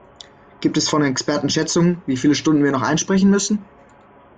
Gibt es von Experten Schätzungen, wie viele Stunden wir noch einsprechen müssen?